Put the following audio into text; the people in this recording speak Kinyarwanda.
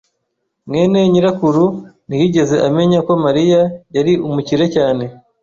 mwene nyirakuru ntiyigeze amenya ko Mariya yari umukire cyane.